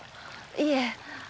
いえ。